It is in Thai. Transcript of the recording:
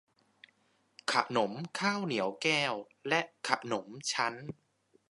ขนมข้าวเหนียวแก้ว และขนมชั้น